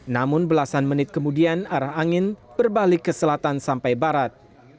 namun belasan menit kemudian arah angin berbalik ke selatan sampai barat